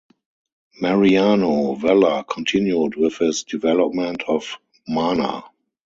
Mariano Vella continued with his development of Mana.